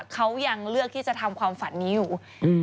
เขายังเลือกที่จะทำความฝันนี้อยู่